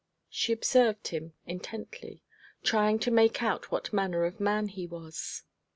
She observed him intently, trying to make out what manner of man he was.